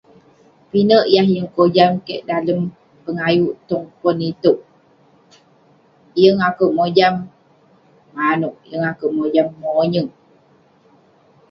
Pinek yah yeng kojam kek dalem pengayuk tong pon iteuk. Yeng akouk mojam manouk, yeng akouk mojam monyek.